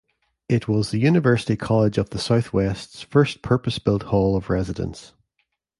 It was the University College of the South West's first purpose-built hall of residence.